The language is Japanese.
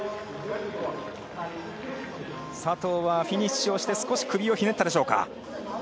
佐藤はフィニッシュをして、少し首をひねったでしょうか。